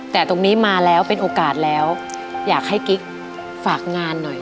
แต่ตรงนี้มาแล้วเป็นโอกาสแล้วอยากให้กิ๊กฝากงานหน่อย